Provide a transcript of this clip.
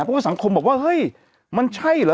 เพราะว่าสังคมบอกว่าเฮ้ยมันใช่เหรอ